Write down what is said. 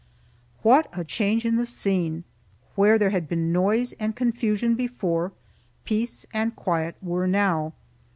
What a change in the scene! Where there had been noise and confusion before, peace and quiet were now.